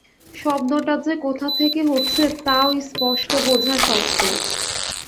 শব্দটা যে কোথা থেকে হচ্ছে তাও স্পষ্ট বোঝা শক্ত।